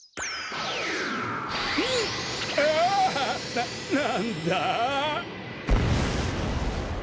ななんだ！？